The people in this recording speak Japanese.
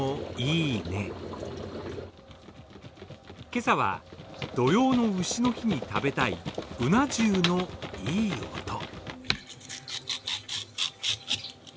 今朝は土用の丑の日に食べたいうな重のいい音。